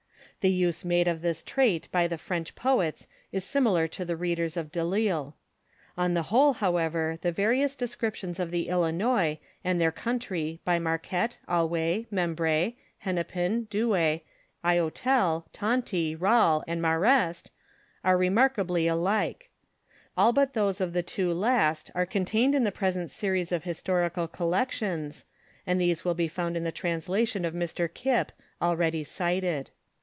The use made of this trait by the French poets is familiar to the readers of Delille. On the whole however, the various descriptions of the Illinois and their country by Marquette, Allouez, Membre, Hennepin, Douay, loutel, Tonty, Rale, and Marest, are remark ably alike: all but those of the two last are contained in the present series of Hist Collections, and these will be found in the translation of Mr. Kip, already cited.